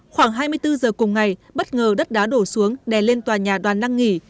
khoảng hai mươi bốn giờ cùng ngày bất ngờ đất đá đổ xuống đè lên tòa nhà đoàn năng nghỉ